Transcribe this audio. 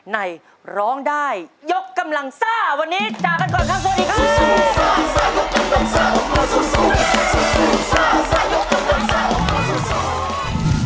ในร้องได้ยกกำลังซ่าวันนี้จากกันก่อนครับสวัสดีครับ